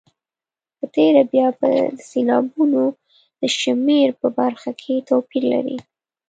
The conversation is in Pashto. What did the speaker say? په تېره بیا د سېلابونو د شمېر په برخه کې توپیر لري.